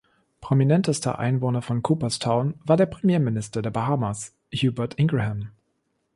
Prominentester Einwohner von "Coopers Town" war der Premierminister der Bahamas, Hubert Ingraham.